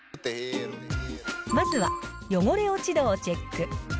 まずは汚れ落ち度をチェック。